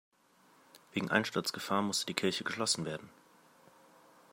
Wegen Einsturzgefahr musste die Kirche geschlossen werden.